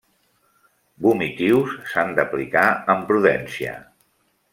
Vomitius s'han d'aplicar amb prudència.